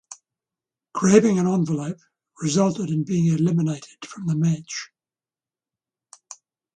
Grabbing an envelope resulted in being eliminated from the match.